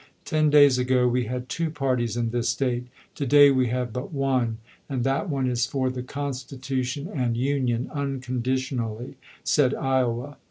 " Ten days ago we had two parties in this State ; to day we have but one,, and that one is for the Constitution and Union uncondition ally," said Iowa.